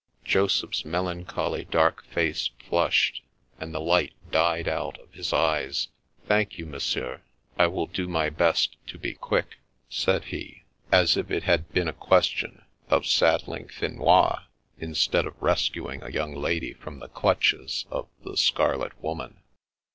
Jfoseph's melancholy dark face flushed, and the light died out of his eyes. " Thank you. Monsieur, I will do my best to be quick," said he, as if it had been a question of saddling Finois, instead of rescu ^ ing a young lady from the clutches of the Scarlet Woman.